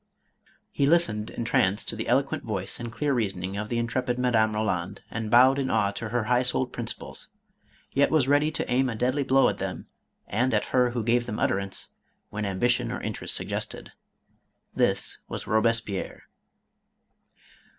He listened entranced to the eloquent voice and clear reasoning of the intrepid Madame Eoland and bowed in awe to her high souled principles, yet was ready to aim a deadly blow at them and at her who gave them utterance, 500 MADAME ROLAND. when ambition or interest suggested. This was Robes pierre.